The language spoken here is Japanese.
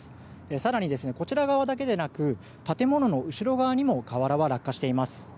更に、こちら側だけでなく建物の後ろ側にも瓦は落下しています。